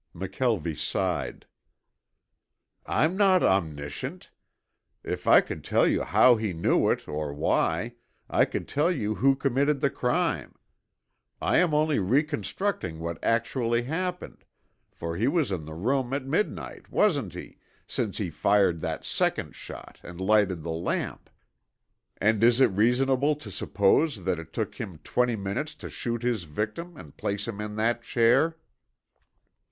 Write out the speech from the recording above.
McKelvie sighed. "I'm not omniscient. If I could tell you how he knew it, or why, I could tell you who committed the crime. I am only reconstructing what actually happened, for he was in the room at midnight, wasn't he, since he fired that second shot and lighted the lamp? And is it reasonable to suppose that it took him twenty minutes to shoot his victim and place him in that chair?"